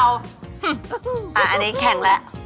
อันนี้แข่งแล้ว